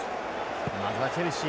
まずはチェルシー。